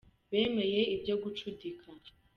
Bemeye ibyo gucudika